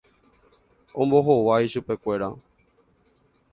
Ombohovái chupekuéra.